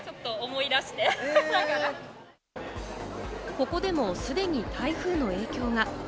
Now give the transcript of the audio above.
ここでも既に台風の影響が。